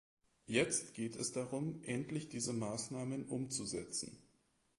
Jetzt geht es darum, endlich diese Maßnahmen umzusetzen.